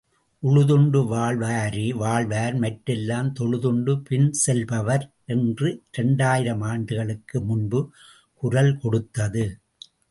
உழுதுண்டு வாழ்வாரே வாழ்வார் மற்றெல்லாம் தொழுதுண்டு பின்செல் பவர் என்று இரண்டாயிரம் ஆண்டுகளுக்கு முன்பு குரல் கொடுத்தது.